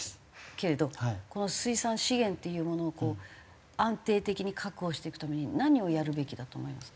けれどこの水産資源っていうものを安定的に確保していくために何をやるべきだと思いますか？